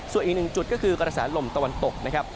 ส่วนอีกหนึ่งจุดก็คือกระแสลมตะวันตกนะครับ